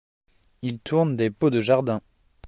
Il tourne des pots de jardin.